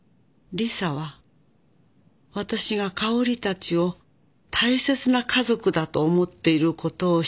「リサは私が香織たちを大切な家族だと思っていることを知っていました」